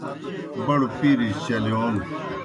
بڑوْ پِیرِجیْ چلِیون